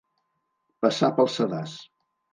Passar pel sedàs.